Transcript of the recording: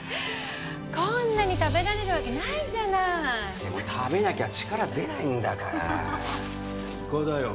こんなに食べられるわけないじゃないでも食べなきゃ力出ないんだからハハハッイカだよ